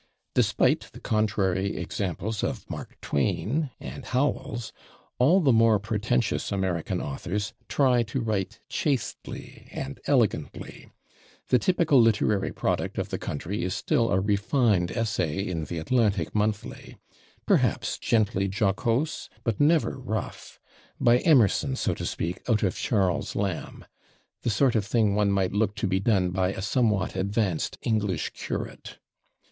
Despite the contrary examples of Mark Twain and Howells, all the more pretentious American authors try to write chastely and elegantly; the typical literary product of the country is still a refined essay in the /Atlantic Monthly/, perhaps gently jocose but never rough by Emerson, so to speak, out of Charles Lamb the sort of thing one might look to be done by a somewhat advanced English curate.